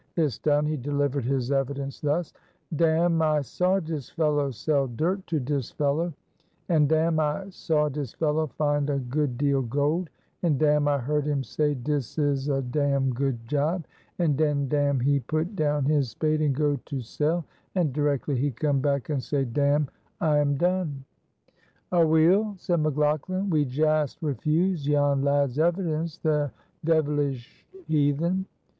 This done, he delivered his evidence thus: "Damme I saw dis fellow sell dirt to dis fellow, and damme I saw dis fellow find a good deal gold, and damme I heard him say dis is a dam good job, and den damme he put down his spade and go to sell, and directly he come back and say damme I am done!" "Aweel," said McLaughlan; "we jaast refuse yon lad's evidence, the deevelich heathen."